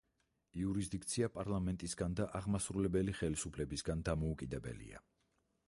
იურისდიქცია პარლამენტისგან და აღმასრულებელი ხელისუფლებისგან დამოუკიდებელია.